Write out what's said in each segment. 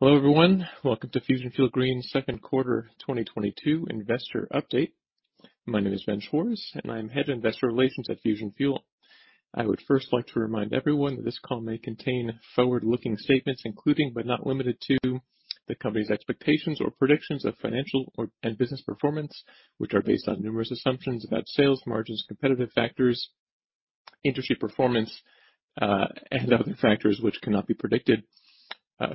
Hello, everyone. Welcome to Fusion Fuel Green Second Quarter 2022 Investor Update. My name is Ben Schwarz, and I'm Head of Investor Relations at Fusion Fuel. I would first like to remind everyone that this call may contain forward-looking statements, including but not limited to, the company's expectations or predictions of financial and business performance, which are based on numerous assumptions about sales margins, competitive factors, industry performance, and other factors which cannot be predicted.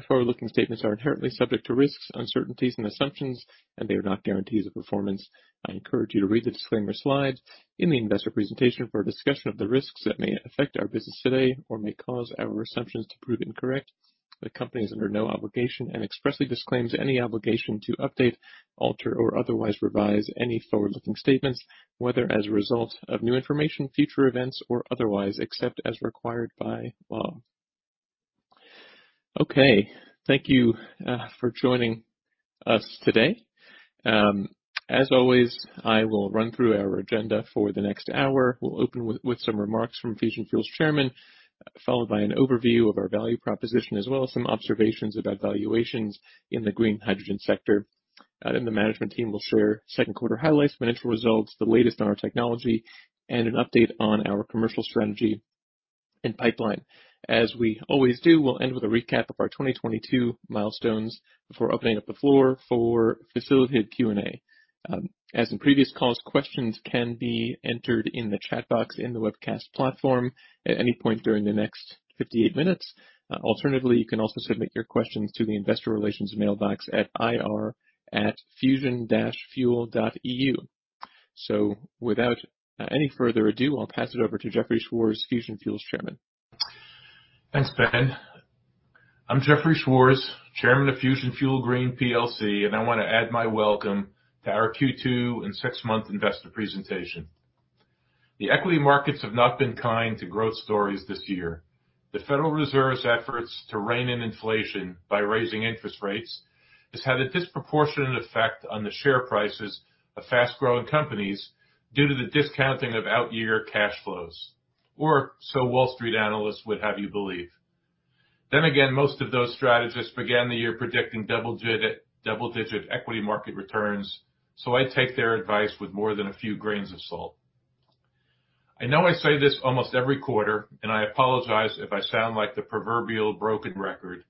Forward-looking statements are inherently subject to risks, uncertainties, and assumptions, and they are not guarantees of performance. I encourage you to read the disclaimer slide in the investor presentation for a discussion of the risks that may affect our business today or may cause our assumptions to prove incorrect. The company is under no obligation and expressly disclaims any obligation to update, alter, or otherwise revise any forward-looking statements, whether as a result of new information, future events, or otherwise, except as required by law. Okay. Thank you for joining us today. As always, I will run through our agenda for the next hour. We'll open with some remarks from Fusion Fuel's Chairman, followed by an overview of our value proposition as well as some observations about valuations in the green hydrogen sector. Then the management team will share second quarter highlights, financial results, the latest on our technology, and an update on our commercial strategy and pipeline. As we always do, we'll end with a recap of our 2022 milestones before opening up the floor for facilitated Q&A. As in previous calls, questions can be entered in the chat box in the webcast platform at any point during the next 58 minutes. Alternatively, you can also submit your questions to the investor relations mailbox at ir@fusion-fuel.eu. Without any further ado, I'll pass it over to Jeffrey Schwarz, Fusion Fuel's Chairman. Thanks, Ben. I'm Jeffrey Schwarz, Chairman of Fusion Fuel Green PLC, and I wanna add my welcome to our Q2 and six-month investor presentation. The equity markets have not been kind to growth stories this year. The Federal Reserve's efforts to rein in inflation by raising interest rates has had a disproportionate effect on the share prices of fast-growing companies due to the discounting of out year cash flows, or so Wall Street analysts would have you believe. Then again, most of those strategists began the year predicting double-digit equity market returns, so I take their advice with more than a few grains of salt. I know I say this almost every quarter, and I apologize if I sound like the proverbial broken record,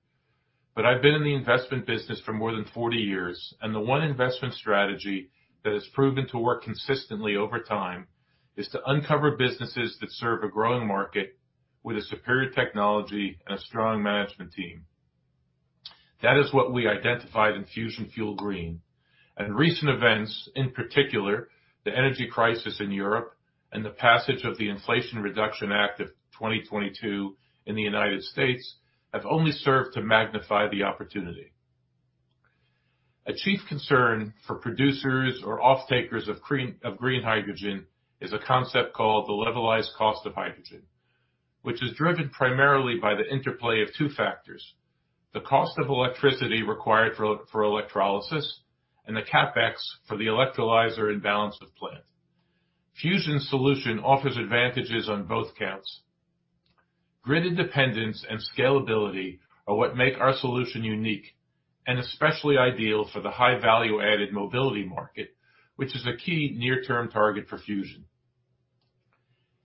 but I've been in the investment business for more than 40 years, and the one investment strategy that has proven to work consistently over time is to uncover businesses that serve a growing market with a superior technology and a strong management team. That is what we identified in Fusion Fuel Green. Recent events, in particular, the energy crisis in Europe and the passage of the Inflation Reduction Act of 2022 in the United States, have only served to magnify the opportunity. A chief concern for producers or offtakers of green hydrogen is a concept called the levelized cost of hydrogen, which is driven primarily by the interplay of two factors, the cost of electricity required for electrolysis and the CapEx for the electrolyzer and balance of plant. Fusion's solution offers advantages on both counts. Grid independence and scalability are what make our solution unique and especially ideal for the high-value added mobility market, which is a key near-term target for Fusion.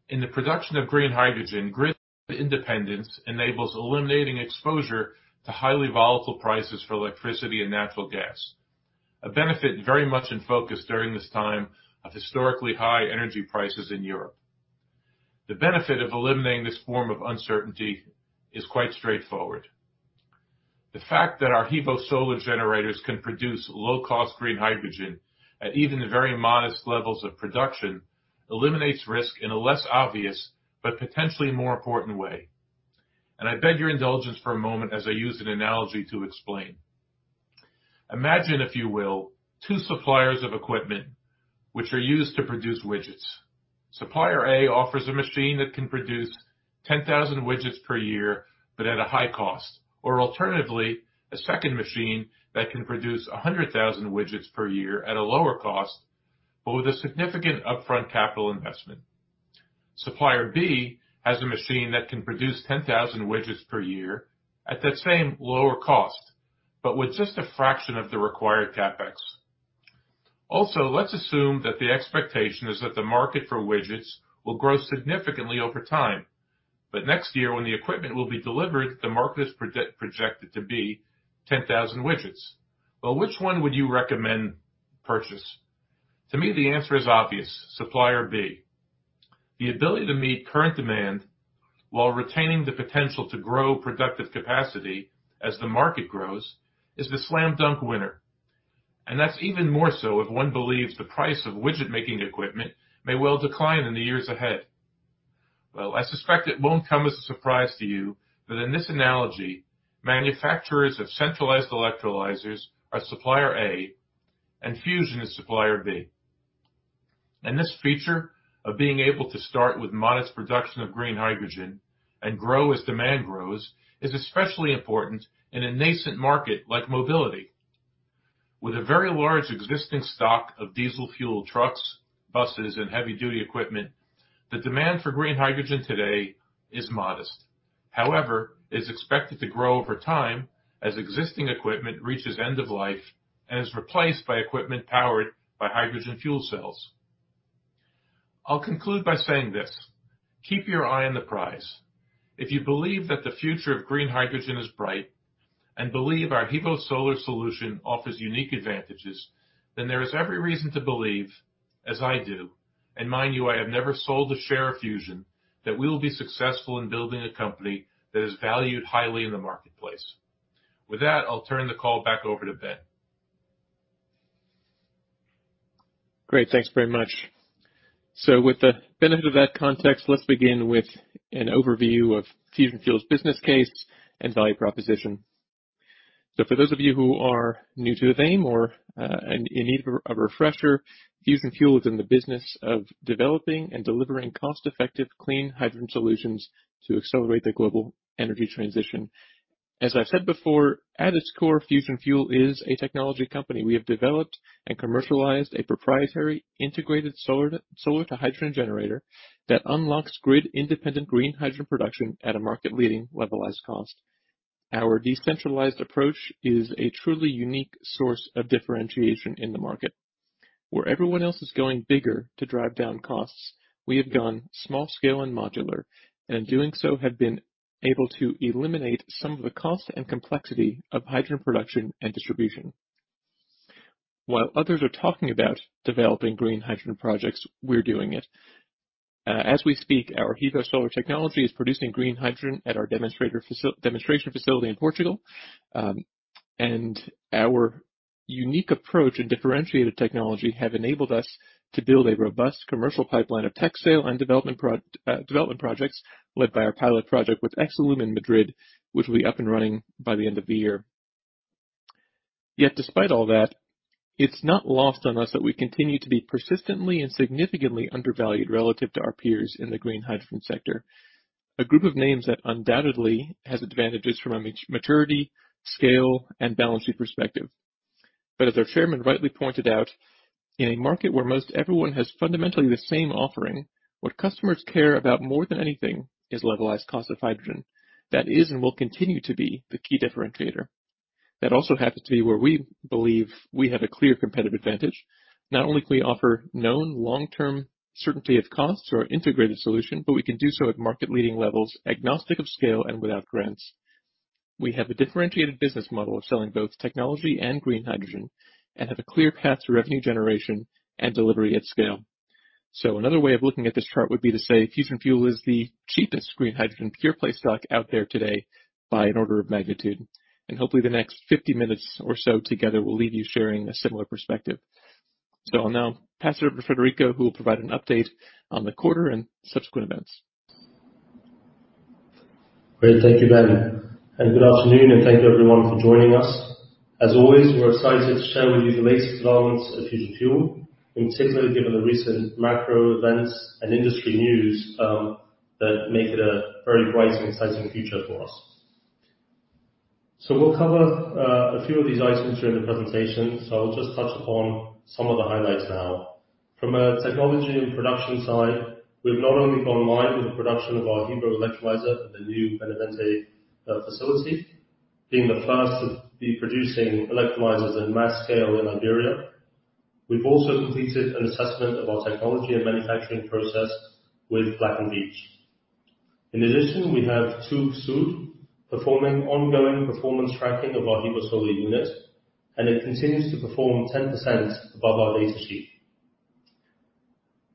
In the production of green hydrogen, grid independence enables eliminating exposure to highly volatile prices for electricity and natural gas. A benefit very much in focus during this time of historically high energy prices in Europe. The benefit of eliminating this form of uncertainty is quite straightforward. The fact that our HEVO-Solar generators can produce low-cost green hydrogen at even very modest levels of production eliminates risk in a less obvious but potentially more important way. I beg your indulgence for a moment as I use an analogy to explain. Imagine, if you will, two suppliers of equipment which are used to produce widgets. Supplier A offers a machine that can produce 10,000 widgets per year, but at a high cost. Alternatively, a second machine that can produce 100,000 widgets per year at a lower cost, but with a significant upfront capital investment. Supplier B has a machine that can produce 10,000 widgets per year at that same lower cost, but with just a fraction of the required CapEx. Also, let's assume that the expectation is that the market for widgets will grow significantly over time, but next year when the equipment will be delivered, the market is projected to be 10,000 widgets. Well, which one would you recommend purchase? To me, the answer is obvious: Supplier B. The ability to meet current demand while retaining the potential to grow productive capacity as the market grows is the slam dunk winner, and that's even more so if one believes the price of widget-making equipment may well decline in the years ahead. Well, I suspect it won't come as a surprise to you that in this analogy, manufacturers of centralized electrolyzers are Supplier A and Fusion is Supplier B. This feature of being able to start with modest production of green hydrogen and grow as demand grows is especially important in a nascent market like mobility. With a very large existing stock of diesel fuel trucks, buses, and heavy duty equipment, the demand for green hydrogen today is modest. However, it is expected to grow over time as existing equipment reaches end of life and is replaced by equipment powered by hydrogen fuel cells. I'll conclude by saying this. Keep your eye on the prize. If you believe that the future of green hydrogen is bright, and believe our HEVO-Solar solution offers unique advantages, then there is every reason to believe, as I do, and mind you, I have never sold a share of Fusion, that we will be successful in building a company that is valued highly in the marketplace. With that, I'll turn the call back over to Ben. Great. Thanks very much. With the benefit of that context, let's begin with an overview of Fusion Fuel's business case and value proposition. For those of you who are new to the theme or in need of a refresher, Fusion Fuel is in the business of developing and delivering cost-effective clean hydrogen solutions to accelerate the global energy transition. As I've said before, at its core, Fusion Fuel is a technology company. We have developed and commercialized a proprietary integrated solar-to-hydrogen generator that unlocks grid-independent green hydrogen production at a market-leading levelized cost. Our decentralized approach is a truly unique source of differentiation in the market. Where everyone else is going bigger to drive down costs, we have gone small scale and modular, and in doing so, have been able to eliminate some of the cost and complexity of hydrogen production and distribution. While others are talking about developing green hydrogen projects, we're doing it. As we speak, our HEVO-Solar is producing green hydrogen at our demonstration facility in Portugal. And our unique approach and differentiated technology have enabled us to build a robust commercial pipeline of tech sales and development projects, led by our pilot project with Exolum in Madrid, which will be up and running by the end of the year. Yet despite all that, it's not lost on us that we continue to be persistently and significantly undervalued relative to our peers in the green hydrogen sector. A group of names that undoubtedly has advantages from a maturity, scale, and balancing perspective. Our Chairman rightly pointed out, in a market where most everyone has fundamentally the same offering, what customers care about more than anything is levelized cost of hydrogen. That is and will continue to be the key differentiator. That also happens to be where we believe we have a clear competitive advantage. Not only can we offer known long-term certainty of cost for integrated solution, but we can do so at market-leading levels, agnostic of scale and without grants. We have a differentiated business model of selling both technology and green hydrogen, and have a clear path to revenue generation and delivery at scale. Another way of looking at this chart would be to say Fusion Fuel is the cheapest green hydrogen pure play stock out there today by an order of magnitude. Hopefully the next 50 minutes or so together will leave you sharing a similar perspective. I'll now pass it over to Frederico, who will provide an update on the quarter and subsequent events. Great. Thank you, Ben, and good afternoon, and thank you everyone for joining us. As always, we're excited to share with you the latest developments at Fusion Fuel, in particular, given the recent macro events and industry news, that make it a very bright and exciting future for us. We'll cover a few of these items during the presentation. I'll just touch upon some of the highlights now. From a technology and production side, we've not only gone live with the production of our HEVO electrolyzer at the new Benavente facility, being the first to be producing electrolyzers in mass scale in Iberia. We've also completed an assessment of our technology and manufacturing process with Black & Veatch. In addition, we have TÜV SÜD performing ongoing performance tracking of our HEVO-Solar unit, and it continues to perform 10% above our data sheet.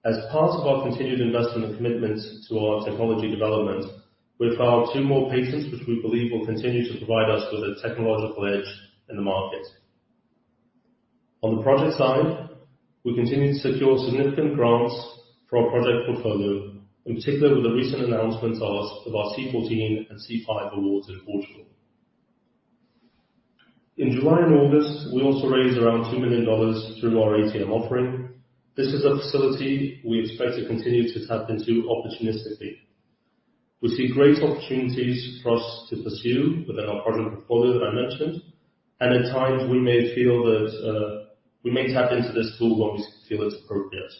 As part of our continued investment and commitment to our technology development, we have filed two more patents, which we believe will continue to provide us with a technological edge in the market. On the project side, we continue to secure significant grants for our project portfolio, in particular with the recent announcements of our C-14 and C-5 awards in Portugal. In July and August, we also raised around $2 million through our ATM offering. This is a facility we expect to continue to tap into opportunistically. We see great opportunities for us to pursue within our project portfolio that I mentioned, and at times we may feel that, we may tap into this tool when we feel it's appropriate.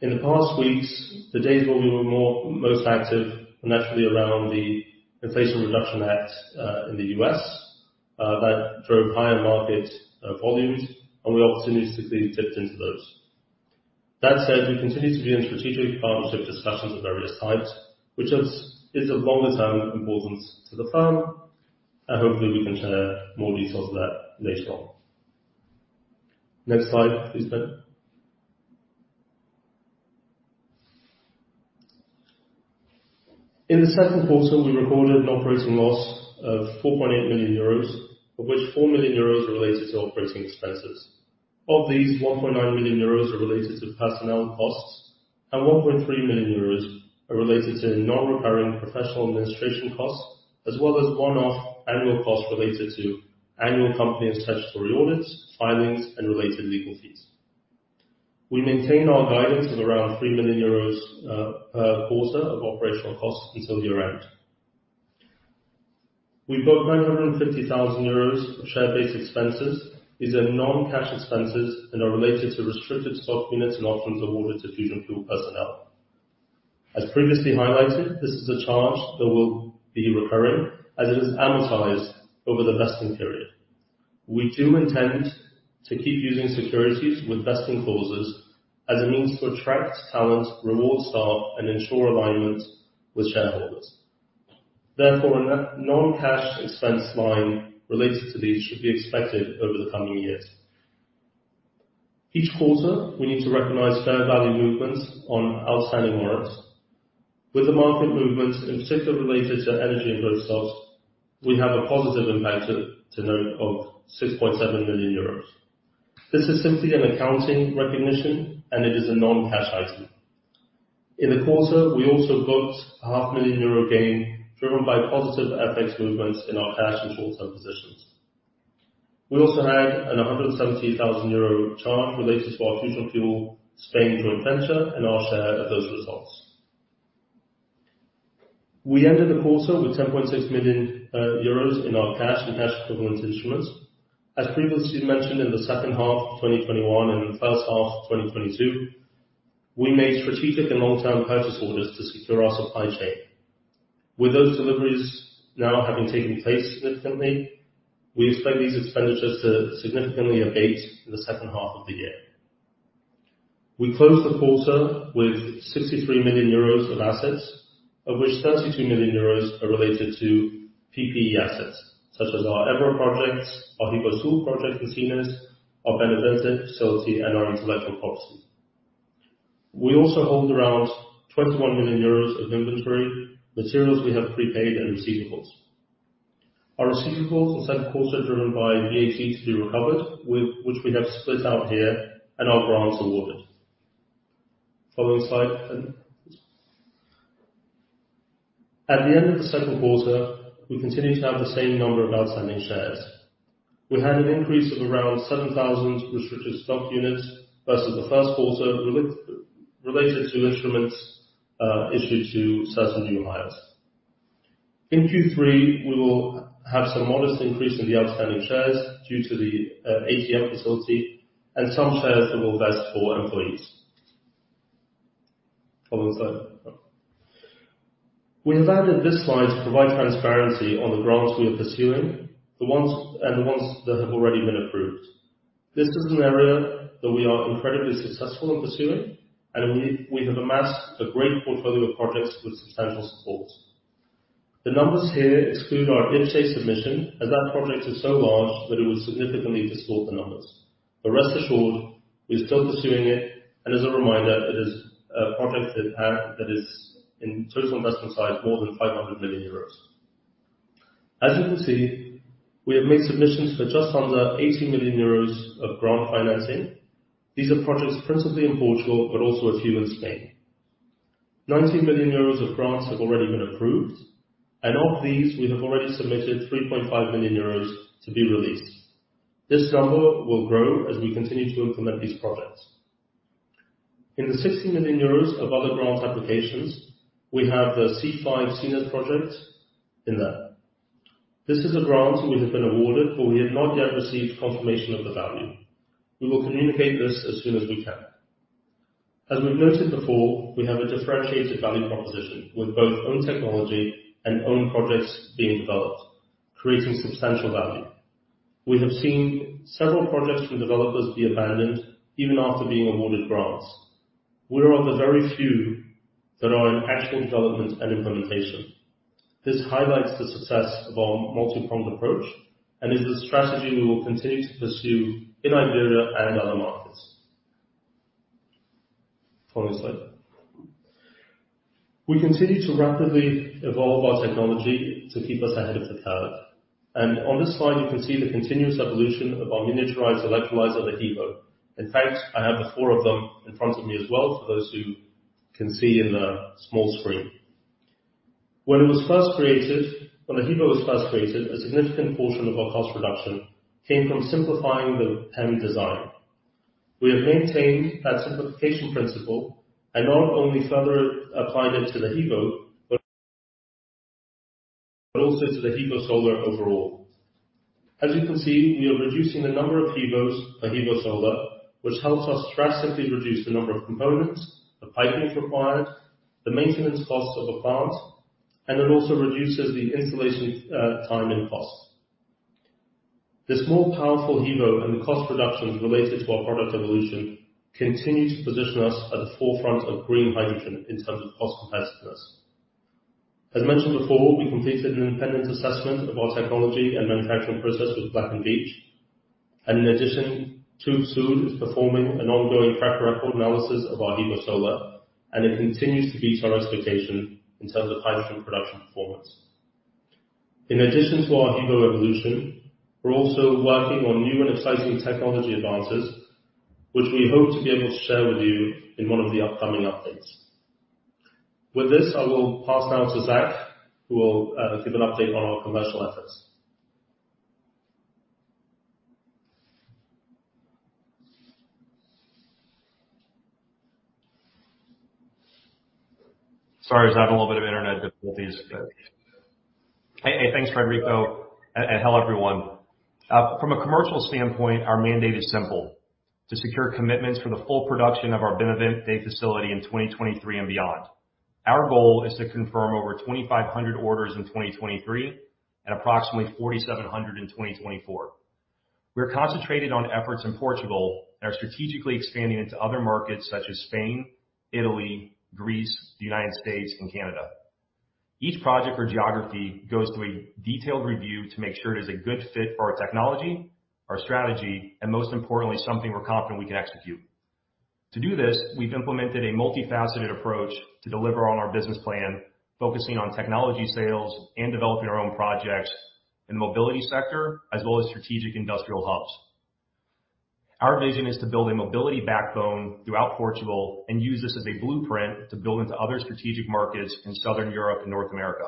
In the past weeks, the days where we were more. Most active were naturally around the Inflation Reduction Act, in the U.S., that drove higher market volumes, and we opportunistically dipped into those. That said, we continue to be in strategic partnership discussions of various types, which is of longer term importance to the firm, and hopefully we can share more details of that later on. Next slide, please, Ben. In the second quarter, we recorded an operating loss of 4.8 million euros, of which 4 million euros are related to operating expenses. Of these, 1.9 million euros are related to personnel costs, and 1.3 million euros are related to non-recurring professional administration costs, as well as one-off annual costs related to annual company statutory audits, filings, and related legal fees. We maintain our guidance of around 3 million euros quarter of operational costs until year-end. We've got 950,000 euros of share-based expenses. These are non-cash expenses and are related to restricted stock units and options awarded to Fusion Fuel personnel. As previously highlighted, this is a charge that will be recurring as it is amortized over the vesting period. We do intend to keep using securities with vesting clauses as a means to attract talent, reward staff, and ensure alignment with shareholders. Therefore, a non-cash expense line related to these should be expected over the coming years. Each quarter, we need to recognize fair value movements on outstanding warrants. With the market movements, in particular related to energy and those stocks, we have a positive impact to note of 6.7 million euros. This is simply an accounting recognition, and it is a non-cash item. In the quarter, we also booked a EUR half million gain, driven by positive FX movements in our cash and short-term positions. We also had a 170,000 euro charge related to our Fusion Fuel Spain joint venture and our share of those results. We ended the quarter with 10.6 million euros in our cash and cash equivalent instruments. As previously mentioned, in the second half of 2021 and the first half of 2022, we made strategic and long-term purchase orders to secure our supply chain. With those deliveries now having taken place significantly, we expect these expenditures to significantly abate in the second half of the year. We closed the quarter with 63 million euros of assets, of which 32 million euros are related to PPE assets, such as our H2Évora projects, our HEVO-Sul project in Sines, our Benavente facility, and our intellectual property. We also hold around 21 million euros of inventory, materials we have prepaid and receivables. Our receivables in the quarter driven by VAT to be recovered, which we have split out here and our grants awarded. Following slide, please. At the end of the second quarter, we continue to have the same number of outstanding shares. We had an increase of around 7,000 restricted stock units versus the first quarter related to instruments issued to certain new hires. In Q3, we will have some modest increase in the outstanding shares due to the ATM facility and some shares that will vest for employees. Follow the slide. We have added this slide to provide transparency on the grants we are pursuing, the ones that have already been approved. This is an area that we are incredibly successful in pursuing, and we have amassed a great portfolio of projects with substantial support. The numbers here exclude our IPCEI submission, as that project is so large that it would significantly distort the numbers. Rest assured, we are still pursuing it, and as a reminder, it is a project that that is, in total investment size, more than 500 million euros. As you can see, we have made submissions for just under 80 million euros of grant financing. These are projects principally in Portugal, but also a few in Spain. 19 million euros of grants have already been approved, and of these, we have already submitted 3.5 million euros to be released. This number will grow as we continue to implement these projects. In the 16 million euros of other grant applications, we have the C-5 Sines projects in there. This is a grant we have been awarded, but we have not yet received confirmation of the value. We will communicate this as soon as we can. As we've noted before, we have a differentiated value proposition with both own technology and own projects being developed, creating substantial value. We have seen several projects from developers be abandoned even after being awarded grants. We are of the very few that are in actual development and implementation. This highlights the success of our multi-pronged approach and is the strategy we will continue to pursue in Iberia and other markets. Following slide. We continue to rapidly evolve our technology to keep us ahead of the curve. On this slide, you can see the continuous evolution of our miniaturized electrolyzer, the HEVO. In fact, I have the four of them in front of me as well, for those who can see in the small screen. When the HEVO was first created, a significant portion of our cost reduction came from simplifying the PEM design. We have maintained that simplification principle and not only further applied it to the HEVO, but also to the HEVO-Solar overall. As you can see, we are reducing the number of HEVOs for HEVO-Solar, which helps us drastically reduce the number of components, the piping required, the maintenance costs of the plant, and it also reduces the installation time and cost. This more powerful HEVO and the cost reductions related to our product evolution continue to position us at the forefront of green hydrogen in terms of cost competitiveness. As mentioned before, we completed an independent assessment of our technology and manufacturing process with Black & Veatch. In addition, TÜV SÜD is performing an ongoing track record analysis of our HEVO-Solar, and it continues to beat our expectation in terms of hydrogen production performance. In addition to our HEVO evolution, we're also working on new and exciting technology advances, which we hope to be able to share with you in one of the upcoming updates. With this, I will pass now to Zach, who will give an update on our commercial efforts. Sorry, I was having a little bit of internet difficulties. Hey, thanks, Frederico, and hello, everyone. From a commercial standpoint, our mandate is simple, to secure commitments for the full production of our Benavente facility in 2023 and beyond. Our goal is to confirm over 2,500 orders in 2023 and approximately 4,700 in 2024. We're concentrated on efforts in Portugal and are strategically expanding into other markets such as Spain, Italy, Greece, the United States, and Canada. Each project or geography goes through a detailed review to make sure it is a good fit for our technology, our strategy, and most importantly, something we're confident we can execute. To do this, we've implemented a multifaceted approach to deliver on our business plan, focusing on technology sales and developing our own projects in the mobility sector, as well as strategic industrial hubs. Our vision is to build a mobility backbone throughout Portugal and use this as a blueprint to build into other strategic markets in Southern Europe and North America.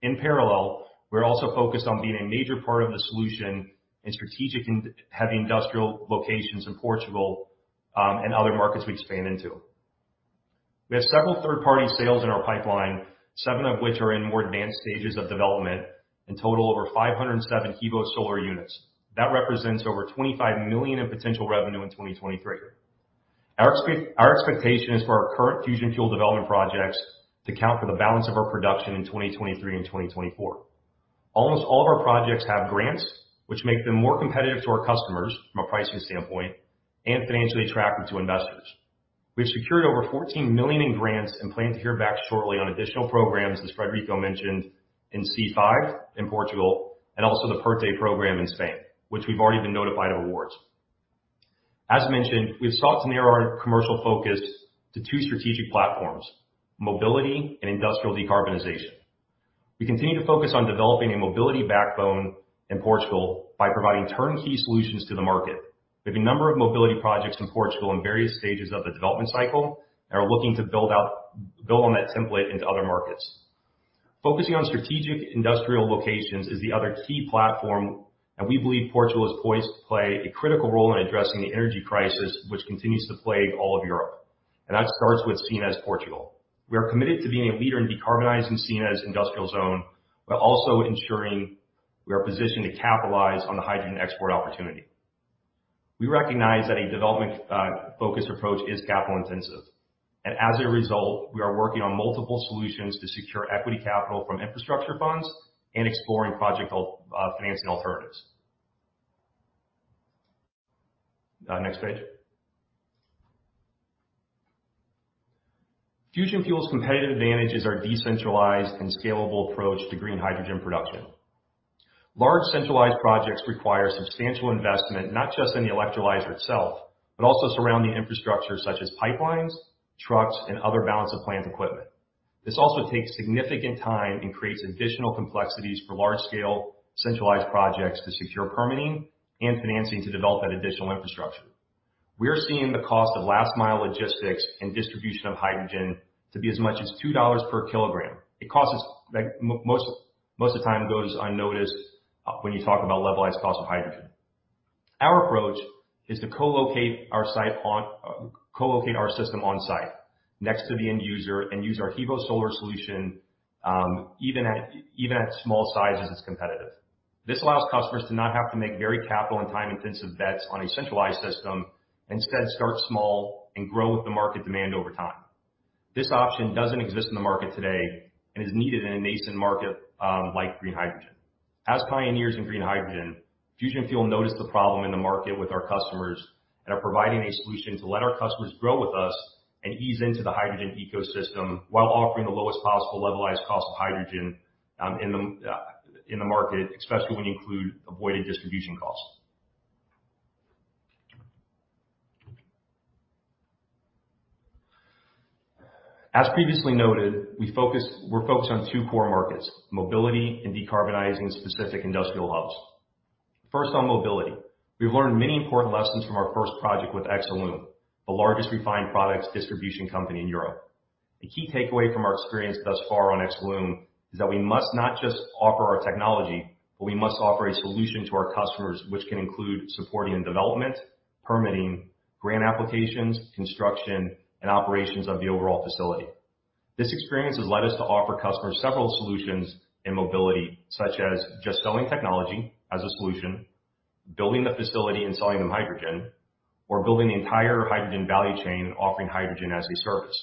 In parallel, we're also focused on being a major part of the solution in strategic and heavy industrial locations in Portugal, and other markets we expand into. We have several third-party sales in our pipeline, seven of which are in more advanced stages of development, in total over 507 HEVO-Solar units. That represents over 25 million in potential revenue in 2023. Our expectation is for our current Fusion Fuel development projects to account for the balance of our production in 2023 and 2024. Almost all of our projects have grants which make them more competitive to our customers from a pricing standpoint and financially attractive to investors. We've secured over 14 million in grants and plan to hear back shortly on additional programs, as Frederico mentioned in C-5 in Portugal and also the PERTE program in Spain, which we've already been notified of awards. As mentioned, we've sought to narrow our commercial focus to two strategic platforms, mobility and industrial decarbonization. We continue to focus on developing a mobility backbone in Portugal by providing turnkey solutions to the market. We have a number of mobility projects in Portugal in various stages of the development cycle and are looking to build on that template into other markets. Focusing on strategic industrial locations is the other key platform, and we believe Portugal is poised to play a critical role in addressing the energy crisis, which continues to plague all of Europe. That starts with Sines, Portugal. We are committed to being a leader in decarbonizing Sines industrial zone, while also ensuring we are positioned to capitalize on the hydrogen export opportunity. We recognize that a development focused approach is capital intensive, and as a result, we are working on multiple solutions to secure equity capital from infrastructure funds and exploring project financing alternatives. Next page. Fusion Fuel's competitive advantages are decentralized and scalable approach to green hydrogen production. Large centralized projects require substantial investment, not just in the electrolyzer itself, but also surrounding infrastructure such as pipelines, trucks, and other balance of plant equipment. This also takes significant time and creates additional complexities for large scale centralized projects to secure permitting and financing to develop that additional infrastructure. We are seeing the cost of last mile logistics and distribution of hydrogen to be as much as $2 per kg. It costs us, like, most of the time goes unnoticed when you talk about levelized cost of hydrogen. Our approach is to co-locate our system on site next to the end user and use our HEVO-Solar solution, even at small sizes, it's competitive. This allows customers to not have to make very capital and time-intensive bets on a centralized system, instead start small and grow with the market demand over time. This option doesn't exist in the market today and is needed in a nascent market, like green hydrogen. As pioneers in green hydrogen, Fusion Fuel noticed the problem in the market with our customers and are providing a solution to let our customers grow with us and ease into the hydrogen ecosystem while offering the lowest possible levelized cost of hydrogen in the market, especially when you include avoided distribution costs. As previously noted, we're focused on two core markets, mobility and decarbonizing specific industrial hubs. First on mobility. We've learned many important lessons from our first project with Exolum, the largest refined products distribution company in Europe. The key takeaway from our experience thus far on Exolum is that we must not just offer our technology, but we must offer a solution to our customers which can include supporting in development, permitting, grant applications, construction, and operations of the overall facility. This experience has led us to offer customers several solutions in mobility, such as just selling technology as a solution, building the facility and selling them hydrogen, or building the entire hydrogen value chain and offering hydrogen as a service.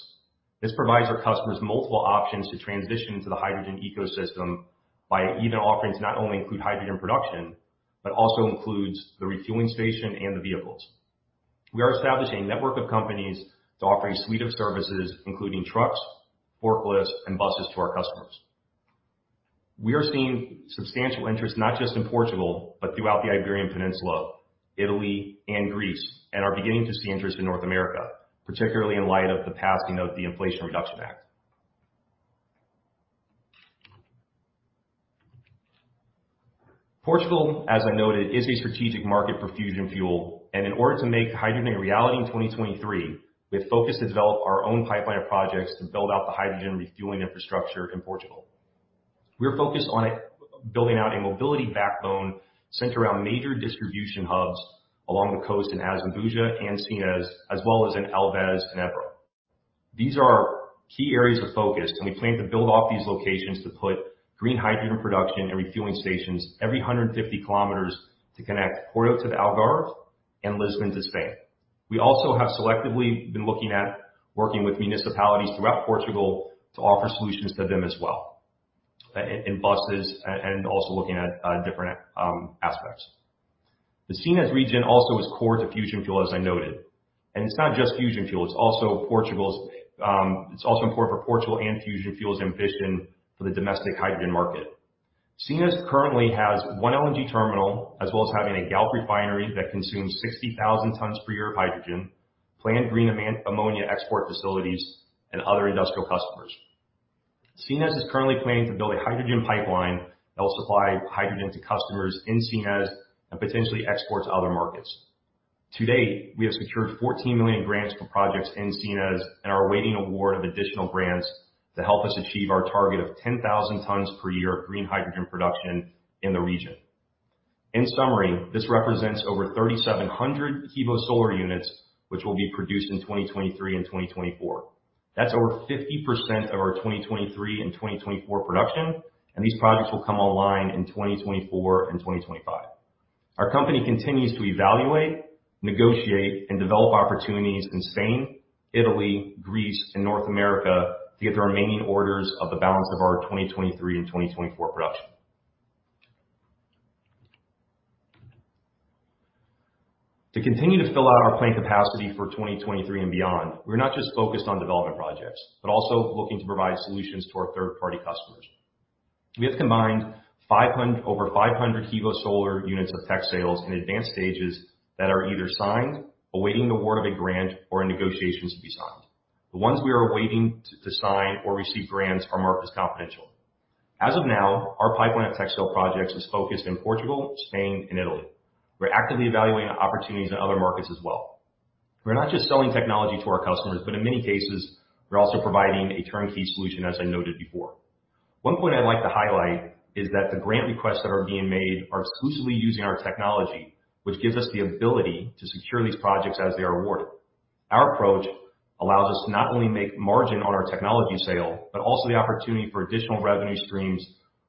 This provides our customers multiple options to transition to the hydrogen ecosystem by our offerings not only include hydrogen production, but also include the refueling station and the vehicles. We are establishing a network of companies to offer a suite of services, including trucks, forklifts, and buses to our customers. We are seeing substantial interest, not just in Portugal, but throughout the Iberian Peninsula, Italy, and Greece, and are beginning to see interest in North America, particularly in light of the passing of the Inflation Reduction Act. Portugal, as I noted, is a strategic market for Fusion Fuel, and in order to make hydrogen a reality in 2023, we have focused to develop our own pipeline of projects to build out the hydrogen refueling infrastructure in Portugal. We're focused on building out a mobility backbone centered around major distribution hubs along the coast in Azambuja and Sines, as well as in Elvas and Évora. These are key areas of focus, and we plan to build off these locations to put green hydrogen production and refueling stations every 150 kilometers to connect Porto to the Algarve and Lisbon to Spain. We also have selectively been looking at working with municipalities throughout Portugal to offer solutions to them as well, in buses and also looking at different aspects. The Sines region also is core to Fusion Fuel, as I noted, and it's not just Fusion Fuel, it's also Portugal's, it's also important for Portugal and Fusion Fuel's ambition for the domestic hydrogen market. Sines currently has one LNG terminal, as well as having a Galp refinery that consumes 60,000 tons per year of hydrogen, planned green ammonia export facilities, and other industrial customers. Sines is currently planning to build a hydrogen pipeline that will supply hydrogen to customers in Sines and potentially export to other markets. To date, we have secured 14 million grants for projects in Sines and are awaiting award of additional grants to help us achieve our target of 10,000 tons per year of green hydrogen production in the region. In summary, this represents over 3,700 HEVO-Solar units which will be produced in 2023 and 2024. That's over 50% of our 2023 and 2024 production, and these projects will come online in 2024 and 2025. Our company continues to evaluate, negotiate, and develop opportunities in Spain, Italy, Greece, and North America to get the remaining orders of the balance of our 2023 and 2024 production. To continue to fill out our plant capacity for 2023 and beyond, we're not just focused on development projects, but also looking to provide solutions to our third-party customers. We have combined over 500 HEVO-Solar units of tech sales in advanced stages that are either signed, awaiting award of a grant, or in negotiations to be signed. The ones we are awaiting to sign or receive grants are marked as confidential. As of now, our pipeline of tech sale projects is focused in Portugal, Spain, and Italy. We're actively evaluating opportunities in other markets as well. We're not just selling technology to our customers, but in many cases, we're also providing a turnkey solution, as I noted before. One point I'd like to highlight is that the grant requests that are being made are exclusively using our technology, which gives us the ability to secure these projects as they are awarded. Our approach allows us to not only make margin on our technology sale, but also the opportunity for additional revenue streams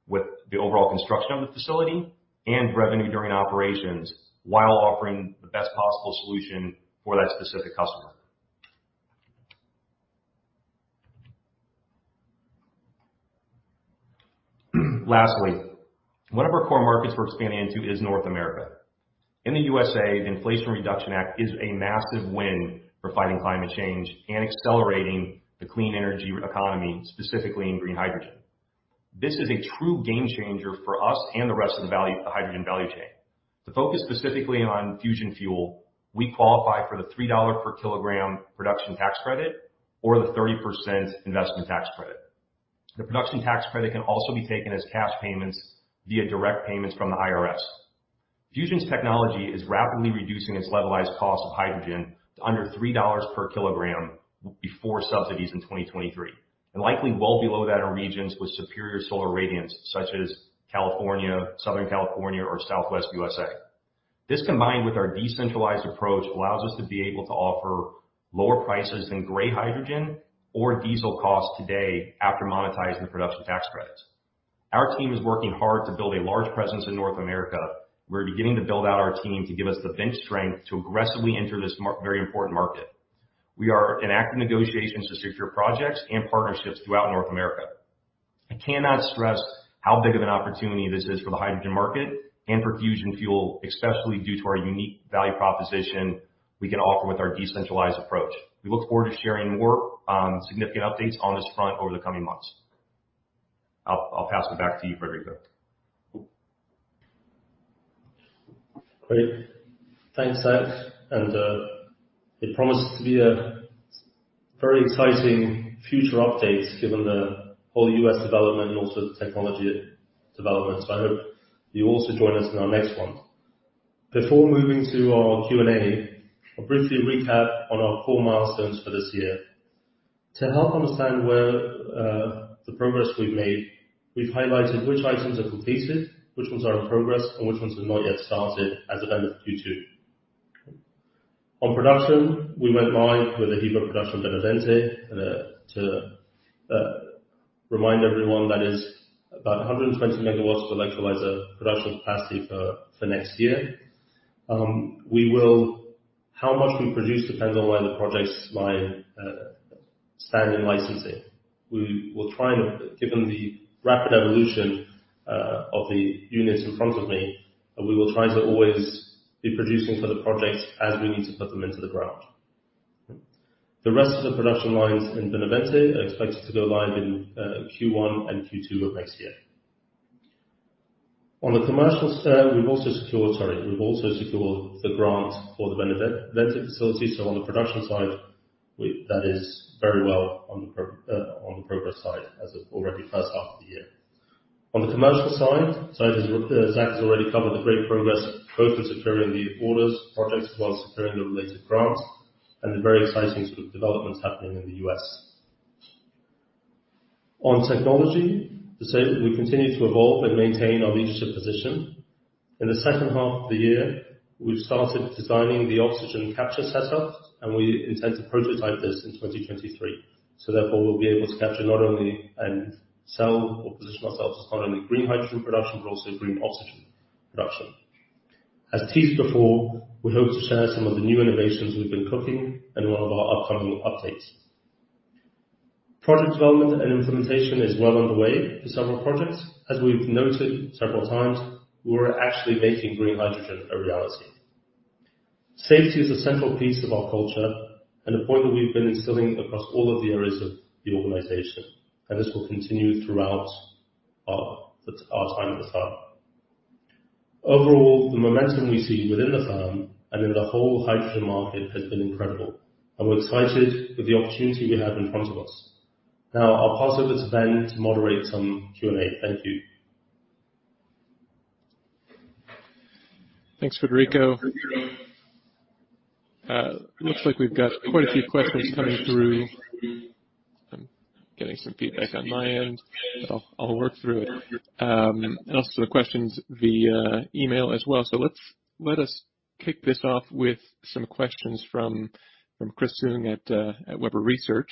with the overall construction of the facility and revenue during operations, while offering the best possible solution for that specific customer. Lastly, one of our core markets we're expanding into is North America. In the USA, the Inflation Reduction Act is a massive win for fighting climate change and accelerating the clean energy economy, specifically in green hydrogen. This is a true game changer for us and the rest of the value, the hydrogen value chain. To focus specifically on Fusion Fuel, we qualify for the $3 per kg production tax credit or the 30% investment tax credit. The production tax credit can also be taken as cash payments via direct payments from the IRS. Fusion's technology is rapidly reducing its levelized cost of hydrogen to under $3 per kg before subsidies in 2023, and likely well below that in regions with superior solar irradiance, such as California, Southern California, or Southwest USA. This, combined with our decentralized approach, allows us to be able to offer lower prices than gray hydrogen or diesel costs today after monetizing the production tax credits. Our team is working hard to build a large presence in North America. We're beginning to build out our team to give us the bench strength to aggressively enter this very important market. We are in active negotiations to secure projects and partnerships throughout North America. I cannot stress how big of an opportunity this is for the hydrogen market and for Fusion Fuel, especially due to our unique value proposition we can offer with our decentralized approach. We look forward to sharing more significant updates on this front over the coming months. I'll pass it back to you, Frederico. Great. Thanks, Zach, and it promises to be a very exciting future updates given the whole U.S. development and also the technology development. I hope you also join us in our next one. Before moving to our Q&A, I'll briefly recap on our core milestones for this year. To help understand where the progress we've made, we've highlighted which items are completed, which ones are in progress, and which ones have not yet started as of end of Q2. On production, we went live with the HEVO production Benavente. To remind everyone that is about 120 megawatts of electrolyzer production capacity for next year. How much we produce depends on where the projects lie, stand in licensing. We will try and, given the rapid evolution of the units in front of me, we will try to always be producing for the projects as we need to put them into the ground. The rest of the production lines in Benavente are expected to go live in Q1 and Q2 of next year. On the commercial side, we've also secured the grant for the Benavente facility. On the production side, that is very well on the progress side as of already first half of the year. On the commercial side, Zach has already covered the great progress both in securing the orders, projects, while securing the related grants. The very exciting sort of developments happening in the U.S. On technology, to say that we continue to evolve and maintain our leadership position. In the second half of the year, we've started designing the oxygen capture setup, and we intend to prototype this in 2023. Therefore, we'll be able to capture not only and sell or position ourselves as not only green hydrogen production, but also green oxygen production. As teased before, we hope to share some of the new innovations we've been cooking in one of our upcoming updates. Project development and implementation is well underway for several projects. As we've noted several times, we're actually making green hydrogen a reality. Safety is a central piece of our culture and a point that we've been instilling across all of the areas of the organization, and this will continue throughout our time at the farm. Overall, the momentum we see within the firm and in the whole hydrogen market has been incredible, and we're excited with the opportunity we have in front of us. Now, I'll pass over to Ben to moderate some Q&A. Thank you. Thanks, Frederico. Looks like we've got quite a few questions coming through. I'm getting some feedback on my end. I'll work through it. Also the questions via email as well. Let's kick this off with some questions from Chris Tsung at Webber Research.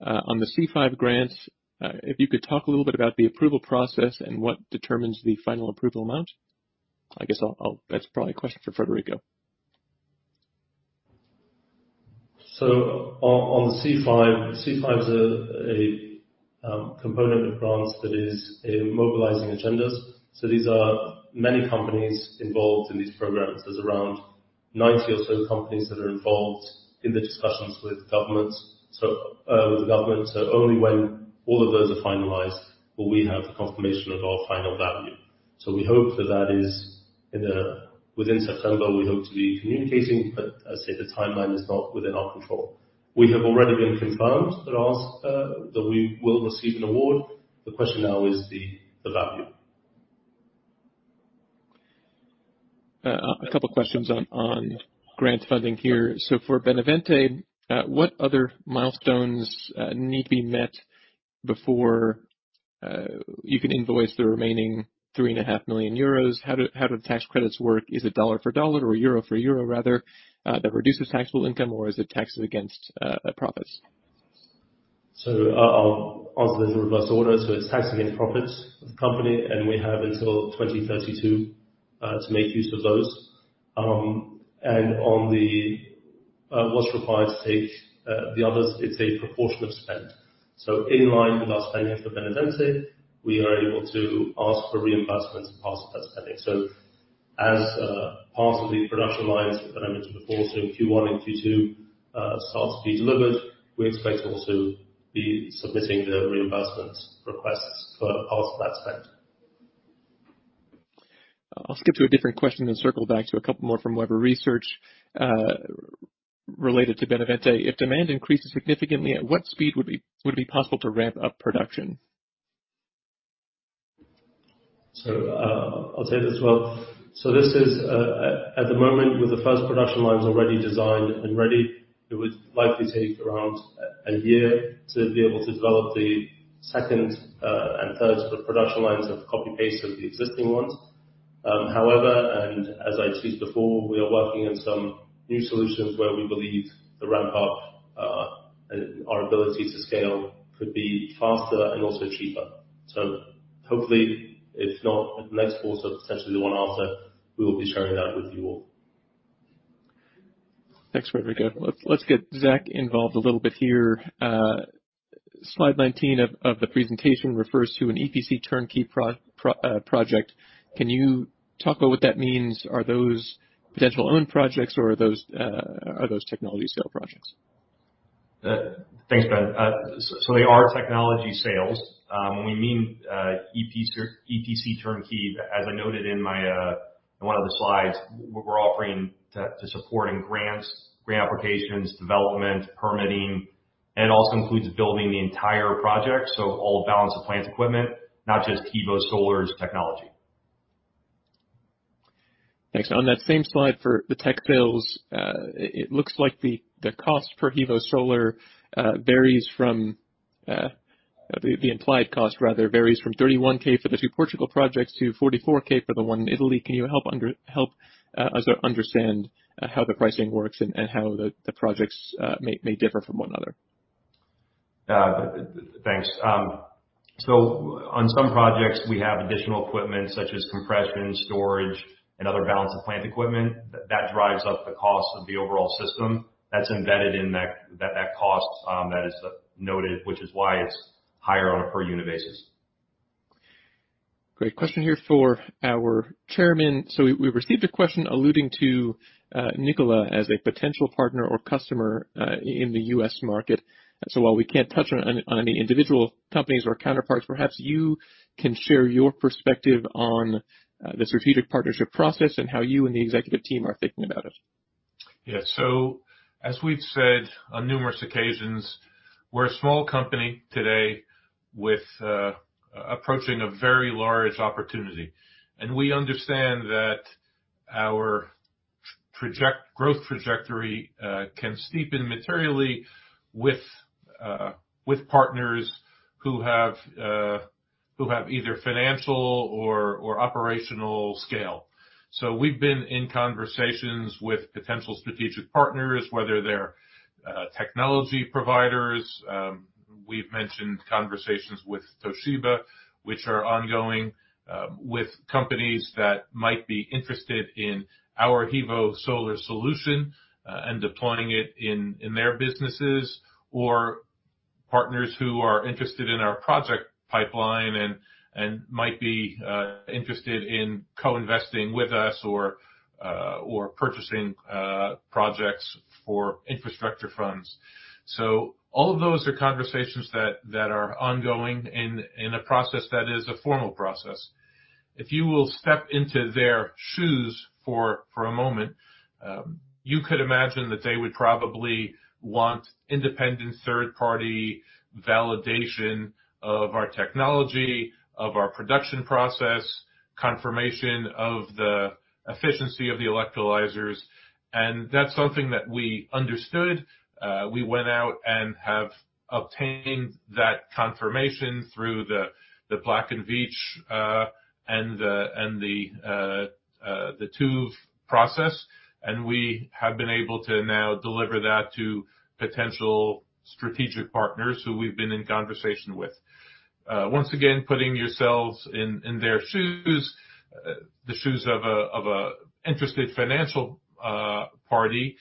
On the C-5 grants, if you could talk a little bit about the approval process and what determines the final approval amount. I guess I'll. That's probably a question for Frederico. On the C-5, C-5 is a component of grants that is in mobilizing agendas. These are many companies involved in these programs. There's around 90 or so companies that are involved in the discussions with the government. Only when all of those are finalized will we have the confirmation of our final value. We hope that is within September. We hope to be communicating, but as I said, the timeline is not within our control. We have already been confirmed that we will receive an award. The question now is the value. A couple of questions on grant funding here. For Benavente, what other milestones need to be met before you can invoice the remaining 3.5 million euros? How do tax credits work? Is it dollar for dollar or euro for euro rather that reduces taxable income? Or is it taxed against a profits? I'll answer those in reverse order. It's taxed against profits of the company, and we have until 2032 to make use of those. On what's required to take the others, it's a proportion of spend. In line with our spending for Benavente, we are able to ask for reimbursement to pass that spending. As part of the production lines that I mentioned before, in Q1 and Q2 starts to be delivered, we expect to also be submitting the reimbursement requests for parts of that spend. I'll skip to a different question and circle back to a couple more from Webber Research, related to Benavente. If demand increases significantly, at what speed would it be possible to ramp up production? I'll take this as well. This is at the moment, with the first production lines already designed and ready, it would likely take around a year to be able to develop the second and third production lines of copy-paste of the existing ones. However, as I teased before, we are working on some new solutions where we believe the ramp up and our ability to scale could be faster and also cheaper. Hopefully, if not next quarter, potentially the one after, we will be sharing that with you all. Thanks, Frederico. Let's get Zach involved a little bit here. Slide 19 of the presentation refers to an EPC turnkey project. Can you talk about what that means? Are those potential owned projects or are those technology sale projects? Thanks, Ben. They are technology sales. When we mean EPC turnkey, as I noted in one of the slides, we're offering to support in grants, grant applications, development, permitting, and it also includes building the entire project. All balance of plant equipment, not just HEVO-Solar technology. Thanks. On that same slide for the tech sales, it looks like the cost per HEVO-Solar. The implied cost rather varies from 31,000 for the two Portugal projects to 44,000 for the one in Italy. Can you help us understand how the pricing works and how the projects may differ from one another? On some projects, we have additional equipment such as compression, storage, and other balance of plant equipment. That drives up the cost of the overall system. That's embedded in that cost, that is noted, which is why it's higher on a per unit basis. Great. Question here for our Chairman. We received a question alluding to Nikola as a potential partner or customer in the U.S. market. While we can't touch on any individual companies or counterparties, perhaps you can share your perspective on the strategic partnership process and how you and the executive team are thinking about it. Yeah. As we've said on numerous occasions. We're a small company today with approaching a very large opportunity, and we understand that our project growth trajectory can steepen materially with partners who have either financial or operational scale. We've been in conversations with potential strategic partners, whether they're technology providers. We've mentioned conversations with Toshiba, which are ongoing, with companies that might be interested in our HEVO-Solar solution and deploying it in their businesses. Partners who are interested in our project pipeline and might be interested in co-investing with us or purchasing projects for infrastructure funds. All of those are conversations that are ongoing and in a process that is a formal process. If you will step into their shoes for a moment, you could imagine that they would probably want independent third-party validation of our technology, of our production process, confirmation of the efficiency of the electrolyzers, and that's something that we understood. We went out and have obtained that confirmation through the Black & Veatch and the TÜV process, and we have been able to now deliver that to potential strategic partners who we've been in conversation with. Once again, putting yourselves in their shoes, the shoes of a interested financial party.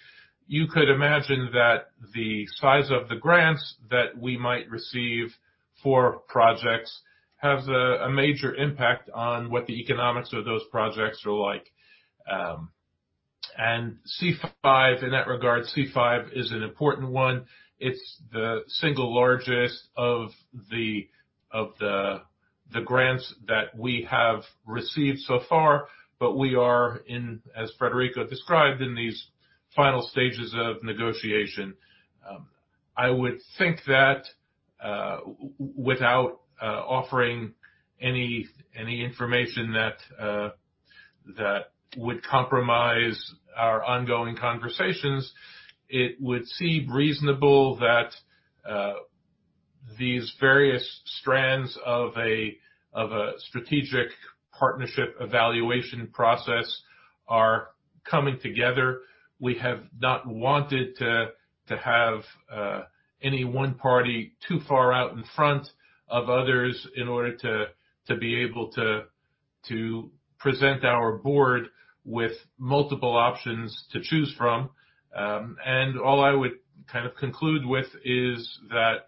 You could imagine that the size of the grants that we might receive for projects has a major impact on what the economics of those projects are like. C-5, in that regard, C-5 is an important one. It's the single largest of the grants that we have received so far, but we are, as Frederico described, in these final stages of negotiation. I would think that without offering any information that would compromise our ongoing conversations, it would seem reasonable that these various strands of a strategic partnership evaluation process are coming together. We have not wanted to have any one party too far out in front of others in order to be able to present our board with multiple options to choose from. All I would kind of conclude with is that